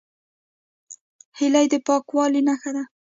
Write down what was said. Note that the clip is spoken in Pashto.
هیلۍ د پاکوالي نښه ده